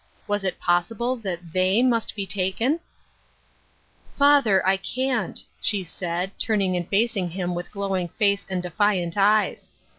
Was it possible that " thei/ " must be taken ?" Father, I can't,'' she said, turning and facing him with glowing face and defiant eyes.